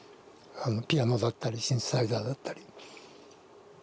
ピアノだったりシンセサイザーだったり。